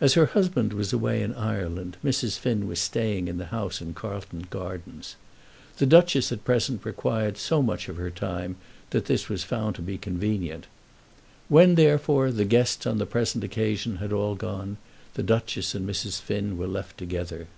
As her husband was away in Ireland, Mrs. Finn was staying in the house in Carlton Gardens. The Duchess at present required so much of her time that this was found to be convenient. When, therefore, the guests on the present occasion had all gone, the Duchess and Mrs. Finn were left together.